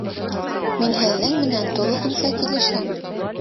Мин һеҙҙең менән тулыһынса килешәм!